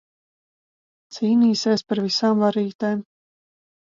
Cīnīsies par visām varītēm.